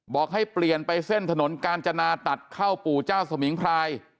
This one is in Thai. บอกให้เปลี่ยนไปเส้นถนนกาญจนาตัดเข้าปู่เจ้าสมิงพราย